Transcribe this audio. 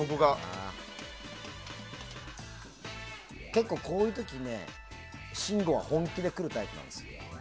結構、こういう時信五は本気で来るタイプなんです。